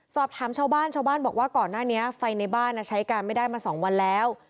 สอบถามชาวบ้านชาวบ้านบอกว่าก่อนหน้านี้ไฟในบ้านใช้การไม่ได้มา๒วันแล้ว